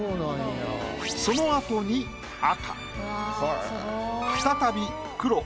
そのあとに赤。